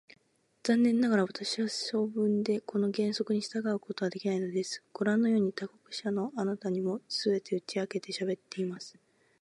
残念ながら、私は性分でこの原則に従うことができないのです。ごらんのように、他国者のあなたにも、すべて打ち明けてしゃべってしまいます。